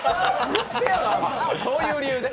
そういう理由で？